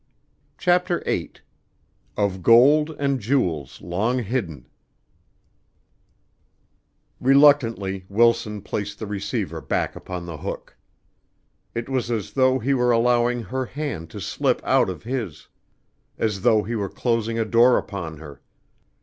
CHAPTER VIII Of Gold and Jewels Long Hidden Reluctantly Wilson placed the receiver back upon the hook. It was as though he were allowing her hand to slip out of his as though he were closing a door upon her.